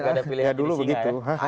ya dulu begitu